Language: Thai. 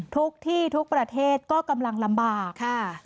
ทุกที่ทุกประเทศก็กำลังลำบากค่ะ